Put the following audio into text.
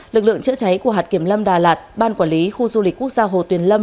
lực lượng chữa cháy của hạt kiểm lâm đà lạt ban quản lý khu du lịch quốc gia hồ tuyền lâm